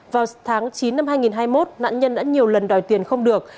vào tháng chín năm hai nghìn hai mươi một nạn nhân đã nhiều lần đòi tiền không được